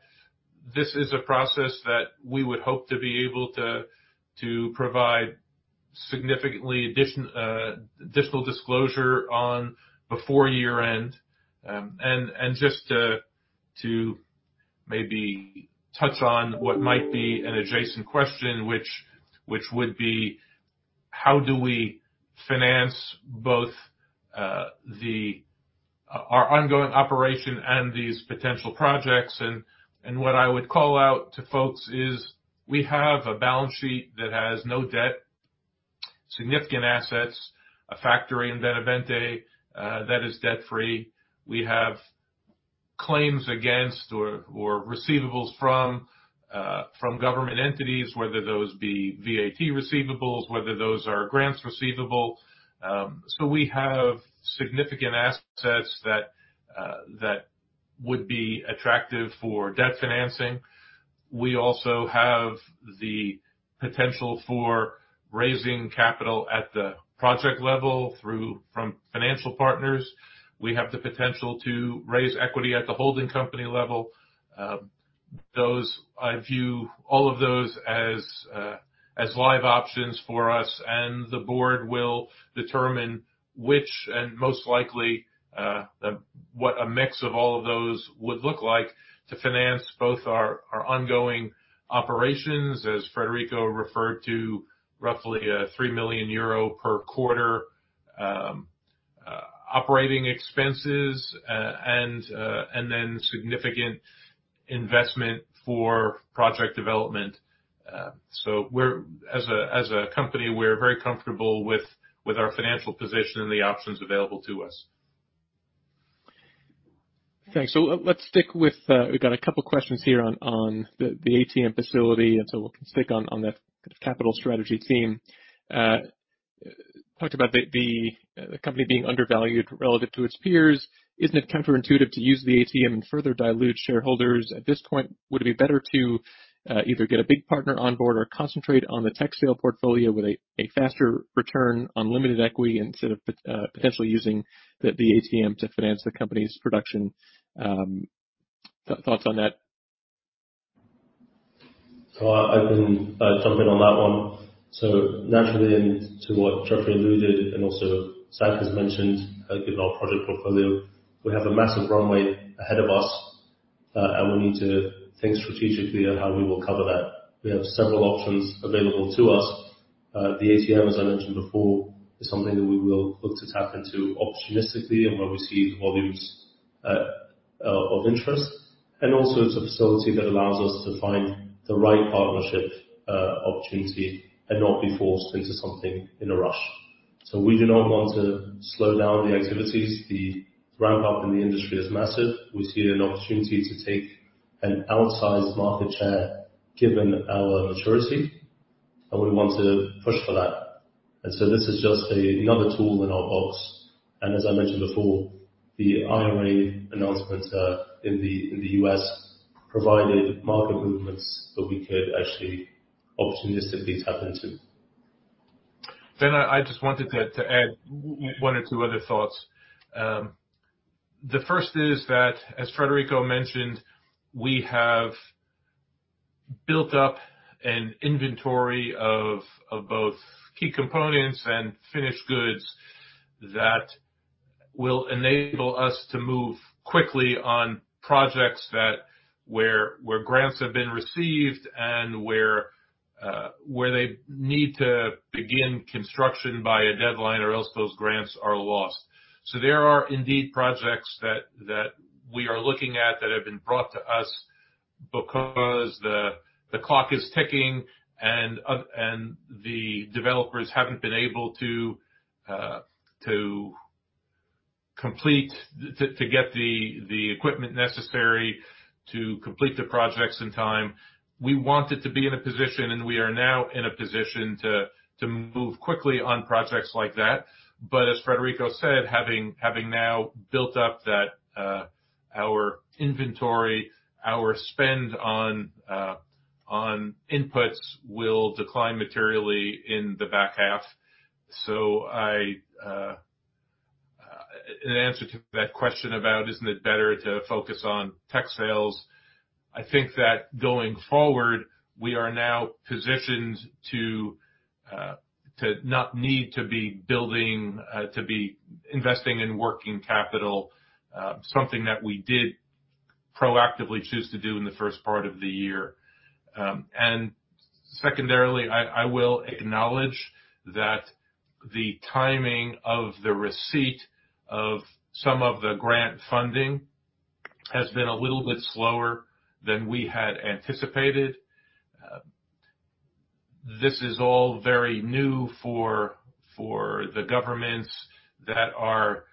this is a process that we would hope to be able to provide significantly additional disclosure on before year-end. Just to maybe touch on what might be an adjacent question, which would be how do we finance both our ongoing operation and these potential projects? What I would call out to folks is we have a balance sheet that has no debt, significant assets, a factory in Benavente that is debt-free. We have claims against or receivables from government entities, whether those be VAT receivables, whether those are grants receivable. We have significant assets that would be attractive for debt financing. We also have the potential for raising capital at the project level from financial partners. We have the potential to raise equity at the holding company level. I view all of those as live options for us, and the board will determine which, and most likely what a mix of all of those would look like to finance both our ongoing operations, as Frederico referred to, roughly 3 million euro per quarter operating expenses, and then significant investment for project development. As a company, we're very comfortable with our financial position and the options available to us. Thanks. Let's stick with. We've got a couple of questions here on the ATM facility, and so we'll stick on the capital strategy theme. Talked about the company being undervalued relative to its peers. Isn't it counterintuitive to use the ATM and further dilute shareholders? At this point, would it be better to either get a big partner on board or concentrate on the tech sale portfolio with a faster return on limited equity instead of potentially using the ATM to finance the company's production? Thoughts on that. I can jump in on that one. Naturally, and to what Jeffrey alluded, and also Zach has mentioned, given our project portfolio, we have a massive runway ahead of us, and we need to think strategically on how we will cover that. We have several options available to us. The ATM, as I mentioned before, is something that we will look to tap into opportunistically and where we see volumes of interest, and also it's a facility that allows us to find the right partnership opportunity and not be forced into something in a rush. We do not want to slow down the activities. The ramp-up in the industry is massive. We see an opportunity to take an outsized market share given our maturity, and we want to push for that. This is just another tool in our box. As I mentioned before, the IRA announcement in the U.S. provided market movements that we could actually opportunistically tap into. Ben, I just wanted to add one or two other thoughts. The first is that, as Frederico mentioned, we have built up an inventory of both key components and finished goods that will enable us to move quickly on projects where grants have been received and where they need to begin construction by a deadline or else those grants are lost. There are indeed projects that we are looking at that have been brought to us because the clock is ticking and the developers haven't been able to get the equipment necessary to complete the projects in time. We wanted to be in a position and we are now in a position to move quickly on projects like that. As Frederico said, having now built up that our inventory, our spend on inputs will decline materially in the back half. I, in answer to that question about isn't it better to focus on tech sales, I think that going forward, we are now positioned to not need to be investing in working capital, something that we did proactively choose to do in the first part of the year. Secondarily, I will acknowledge that the timing of the receipt of some of the grant funding has been a little bit slower than we had anticipated. This is all very new for the governments that are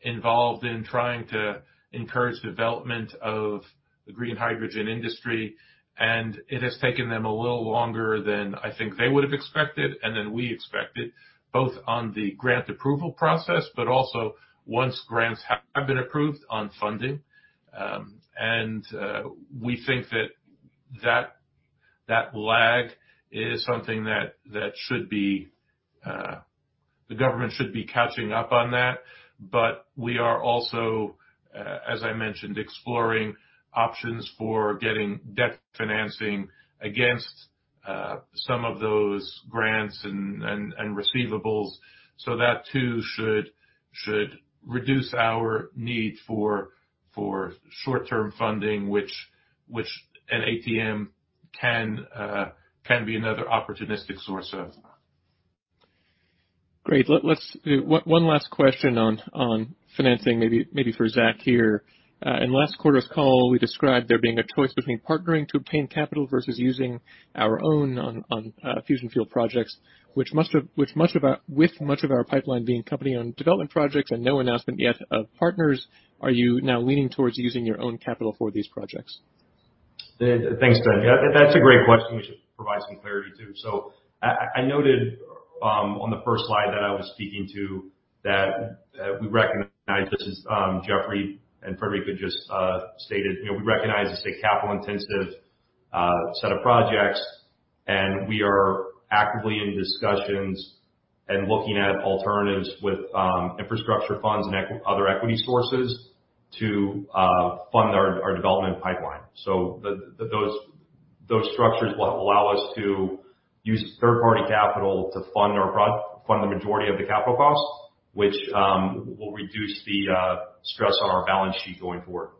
involved in trying to encourage development of the green hydrogen industry, and it has taken them a little longer than I think they would've expected and than we expected, both on the grant approval process, but also once grants have been approved on funding. We think that lag is something that the government should be catching up on that. We are also, as I mentioned, exploring options for getting debt financing against some of those grants and receivables. That too should reduce our need for short-term funding, which an ATM can be another opportunistic source of. Great. One last question on financing, maybe for Zach here. In last quarter's call, we described there being a choice between partnering to obtain capital versus using our own on Fusion Fuel projects, with much of our pipeline being company-owned development projects and no announcement yet of partners, are you now leaning towards using your own capital for these projects? Thanks, Ben. Yeah, that's a great question. We should provide some clarity too. I noted on the first slide that I was speaking to that, we recognize this is, Jeffrey and Frederico just stated, you know, we recognize it's a capital intensive set of projects, and we are actively in discussions and looking at alternatives with infrastructure funds and other equity sources to fund our development pipeline. Those structures will allow us to use third-party capital to fund the majority of the capital costs, which will reduce the stress on our balance sheet going forward.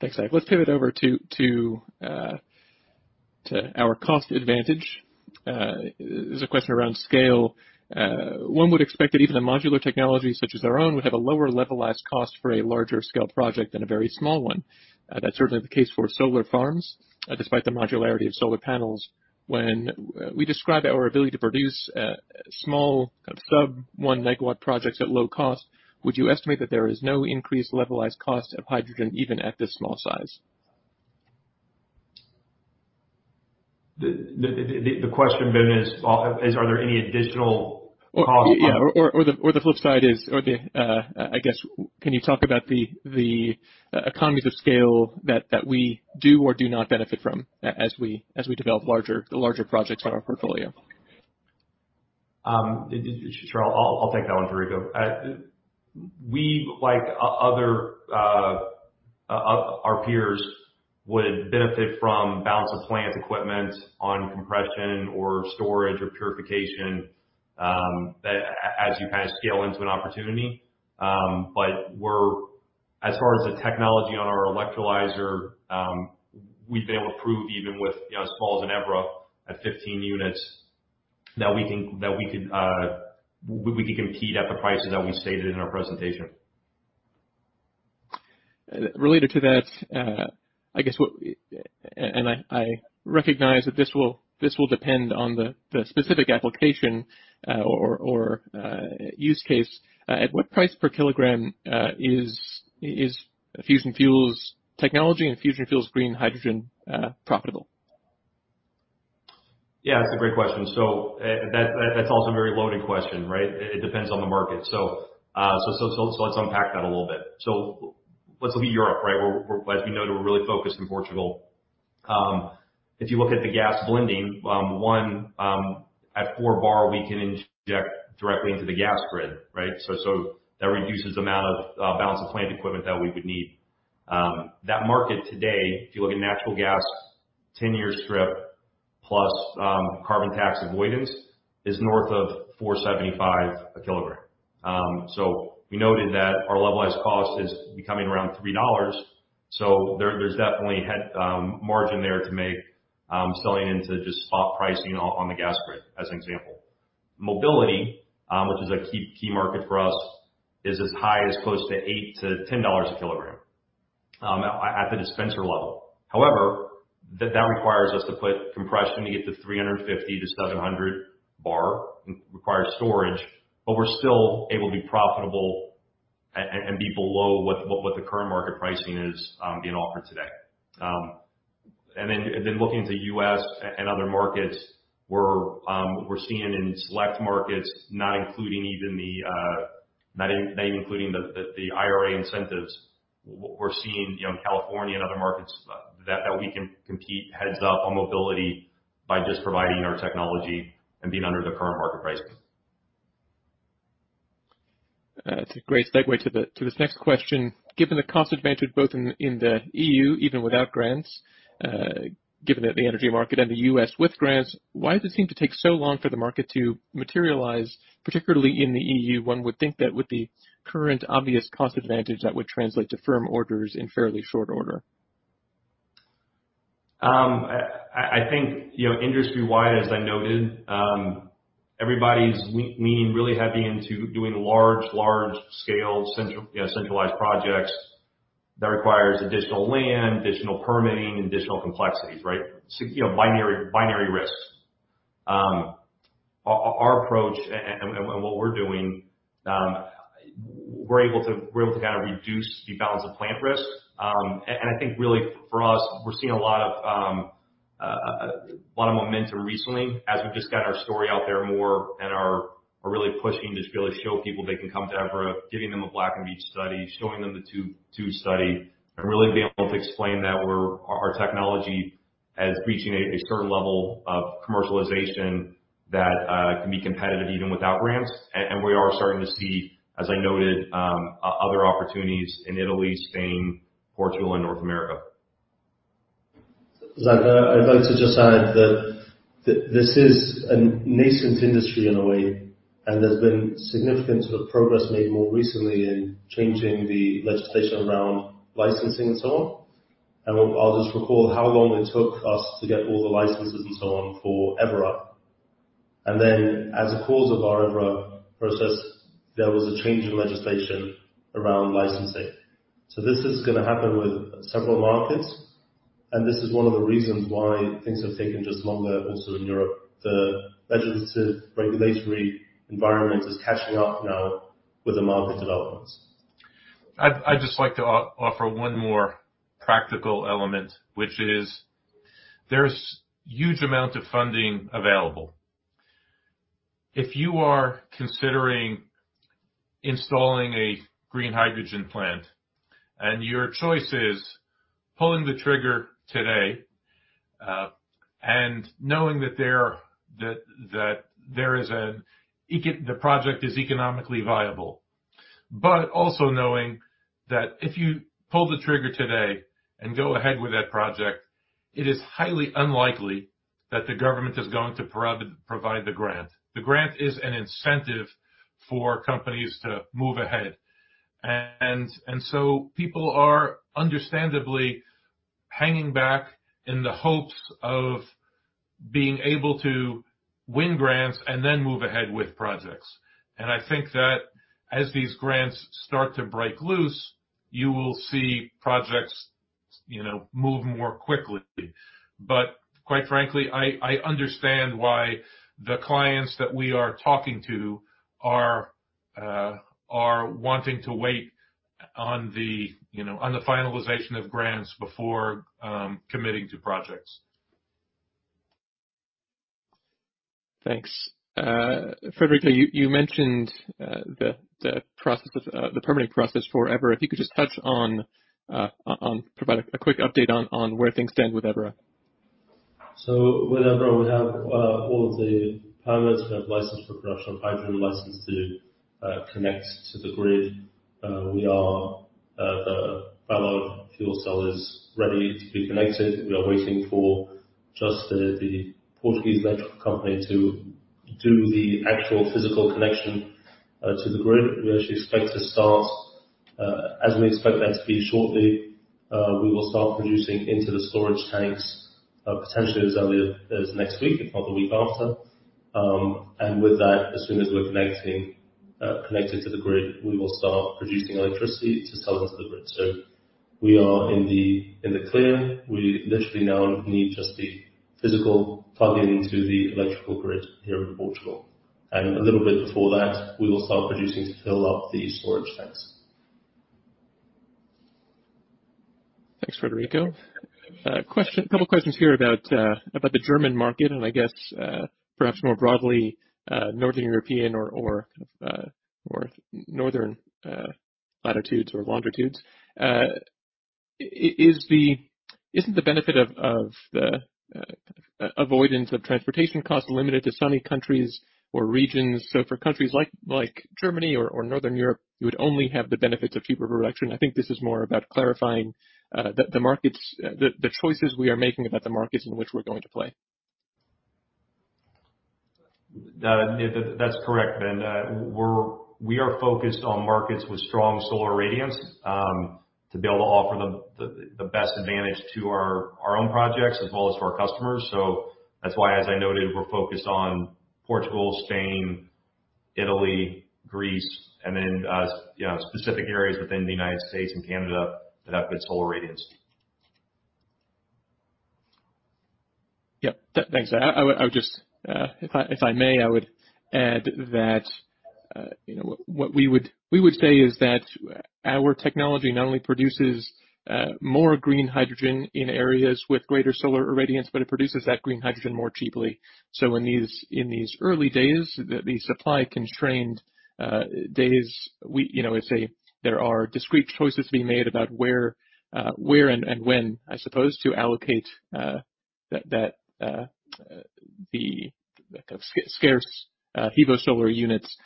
Thanks, Zach. Let's pivot over to our cost advantage. This is a question around scale. One would expect that even a modular technology such as our own would have a lower levelized cost for a larger scale project than a very small one. That's certainly the case for solar farms, despite the modularity of solar panels. When we describe our ability to produce small sub 1 MW projects at low cost, would you estimate that there is no increased levelized cost of hydrogen even at this small size? The question then is, are there any additional costs? The flip side is, okay, I guess, can you talk about the economies of scale that we do or do not benefit from as we develop the larger projects on our portfolio? Sure. I'll take that one, Frederico. We, like other, our peers, would benefit from balance of plant equipment on compression or storage or purification, that as you kind of scale into an opportunity, but as far as the technology on our electrolyzer, we've been able to prove even with, you know, as small as an Évora at 15 units, that we can compete at the prices that we stated in our presentation. Related to that, I recognize that this will depend on the specific application or use case. At what price per kilogram is Fusion Fuel's technology and Fusion Fuel's green hydrogen profitable? Yeah, that's a great question. That's also a very loaded question, right? It depends on the market. Let's unpack that a little bit. Let's look at Europe, right? As we know, we're really focused in Portugal. If you look at the gas blending, at four bar, we can inject directly into the gas grid, right? That reduces the amount of balance of plant equipment that we would need. That market today, if you look at natural gas, 10 years strip plus carbon tax avoidance, is north of 4.75 a kilogram. We noted that our levelized cost is becoming around $3. There's definitely headroom there to make selling into just spot pricing on the gas grid as an example. Mobility, which is a key market for us, is as high as close to $8-$10 a kilogram, at the dispenser level. However, that requires us to put compression to get to 350-700 bar, requires storage. But we're still able to be profitable and be below what the current market pricing is, being offered today. Then looking to U.S. and other markets, we're seeing in select markets, not even including the IRA incentives. We're seeing, you know, in California and other markets that we can compete head to head on mobility by just providing our technology and being under the current market pricing. It's a great segue to this next question. Given the cost advantage both in the EU, even without grants, given that the energy market and the US with grants, why does it seem to take so long for the market to materialize, particularly in the EU? One would think that with the current obvious cost advantage, that would translate to firm orders in fairly short order. I think, you know, industry-wide, as I noted, everybody's leaning really heavy into doing large scale central, you know, centralized projects that requires additional land, additional permitting, additional complexities, right? Binary risks. Our approach and what we're doing, we're able to kind of reduce the balance of plant risk. I think really for us, we're seeing a lot of momentum recently as we've just got our story out there more and are really pushing to really show people they can come to Évora, giving them a Black & Veatch study, showing them the TÜV study, and really being able to explain that our technology is reaching a certain level of commercialization that can be competitive even without grants. We are starting to see, as I noted, other opportunities in Italy, Spain, Portugal and North America. Zach, I'd like to just add that this is a nascent industry in a way, and there's been significant sort of progress made more recently in changing the legislation around licensing and so on. I'll just recall how long it took us to get all the licenses and so on for Évora. Then as a cause of our Évora process, there was a change in legislation around licensing. This is gonna happen with several markets, and this is one of the reasons why things have taken just longer also in Europe. The legislative regulatory environment is catching up now with the market developments. I'd just like to offer one more practical element, which is there's huge amount of funding available. If you are considering installing a green hydrogen plant and your choice is pulling the trigger today, and knowing that the project is economically viable. Also knowing that if you pull the trigger today and go ahead with that project, it is highly unlikely that the government is going to provide the grant. The grant is an incentive for companies to move ahead. So people are understandably hanging back in the hopes of being able to win grants and then move ahead with projects. I think that as these grants start to break loose, you will see projects move more quickly. Quite frankly, I understand why the clients that we are talking to are wanting to wait on the, you know, on the finalization of grants before committing to projects. Thanks. Frederico, you mentioned the process of the permitting process for Évora. If you could just touch on or provide a quick update on where things stand with Évora? With Évora we have all of the permits. We have license for production of hydrogen, license to connect to the grid. The Ballard fuel cell is ready to be connected. We are waiting for just the Portuguese electric company to do the actual physical connection to the grid. We actually expect to start, as we expect the SP shortly, we will start producing into the storage tanks, potentially as early as next week, if not the week after. And with that, as soon as we're connected to the grid, we will start producing electricity to sell into the grid. We are in the clear. We literally now need just the physical plugging into the electrical grid here in Portugal. A little bit before that, we will start producing to fill up the storage tanks. Thanks, Frederico. Question, couple questions here about the German market and I guess, perhaps more broadly, northern European or northern latitudes or longitudes. Isn't the benefit of the avoidance of transportation costs limited to sunny countries or regions? For countries like Germany or northern Europe, you would only have the benefits of cheaper production. I think this is more about clarifying the markets, the choices we are making about the markets in which we're going to play. That's correct, Ben. We are focused on markets with strong solar irradiance to be able to offer the best advantage to our own projects as well as to our customers. That's why, as I noted, we're focused on Portugal, Spain, Italy, Greece, and then specific areas within the United States and Canada that have good solar irradiance. Yeah. Thanks. I would just, if I may, I would add that, you know, what we would say is that our technology not only produces more green hydrogen in areas with greater solar irradiance, but it produces that green hydrogen more cheaply. In these early days, the supply constrained days, you know, I say there are discrete choices to be made about where and when, I suppose, to allocate the scarce HEVO-Solar units.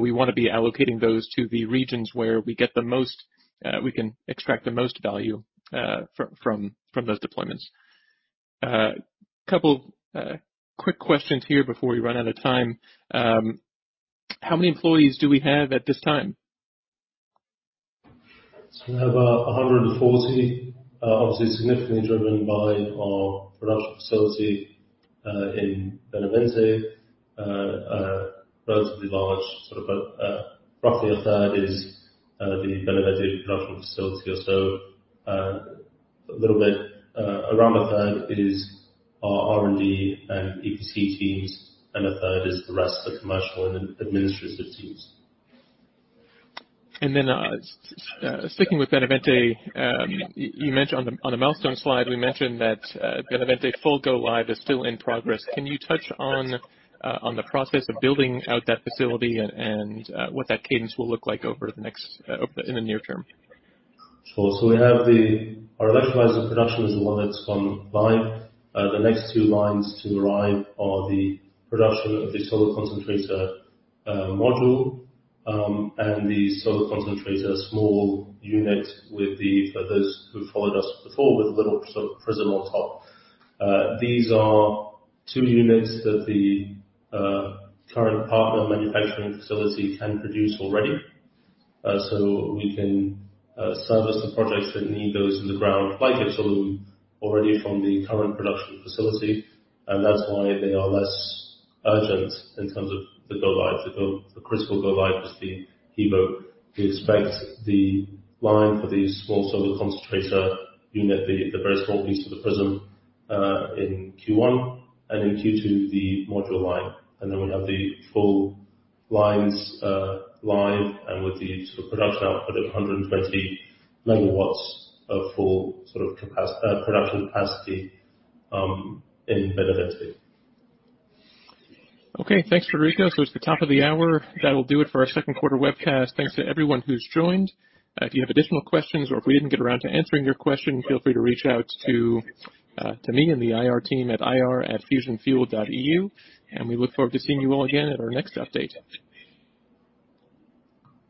We wanna be allocating those to the regions where we get the most, we can extract the most value from those deployments. Couple quick questions here before we run out of time. How many employees do we have at this time? We have 140, obviously significantly driven by our production facility in Benavente. Relatively large, sort of, roughly a third is the Benavente production facility. A little bit, around a third is our R&D and EPC teams, and a third is the rest of the commercial and administrative teams. Sticking with Benavente, you mentioned on the milestone slide we mentioned that Benavente full go live is still in progress. Can you touch on the process of building out that facility and what that cadence will look like in the near term? Our electrolyzer production is the one that's gone live. The next two lines to arrive are the production of the solar concentrator module and the solar concentrator small unit with the, for those who followed us before, with the little sort of prism on top. These are two units that the current partner manufacturing facility can produce already. We can service the projects that need those on the ground, like Exolum, already from the current production facility. That's why they are less urgent in terms of the go lives. The critical go live is the HEVO. We expect the line for the small solar concentrator unit, the very small piece of the prism, in Q1, and in Q2, the module line. We have the full lines live and with the sort of production output of 120 MW of full sort of production capacity in Benavente. Okay. Thanks, Frederico. It's the top of the hour. That will do it for our second quarter webcast. Thanks to everyone who's joined. If you have additional questions or if we didn't get around to answering your question, feel free to reach out to me and the IR team at ir@fusion-fuel.eu, and we look forward to seeing you all again at our next update.